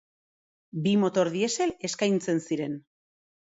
Bi motor diesel eskaintzen ziren.